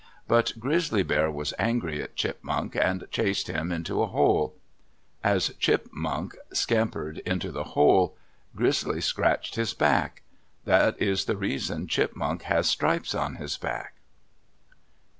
But Grizzly Bear was angry at Chipmunk and chased him into a hole. As Chipmunk scampered into the hole, Grizzly scratched his back. That is the reason Chipmunk has stripes on his back.